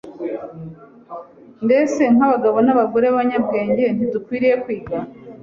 Mbese nk’abagabo n’abagore b’abanyabwenge ntidukwiriye kwiga